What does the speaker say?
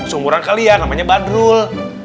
seumuran kalian namanya badrul